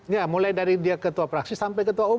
iya mulai dari dia ketua fraksi sampai ketua umum